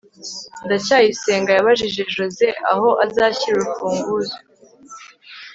ndacyayisenga yabajije joze aho azashyira urufunguzo